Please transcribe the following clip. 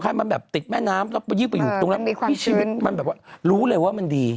มันแบบว่ารู้เลยว่ามันดี